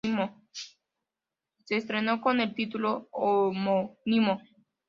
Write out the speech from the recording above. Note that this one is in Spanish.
Se estrenó en con el título homónimo.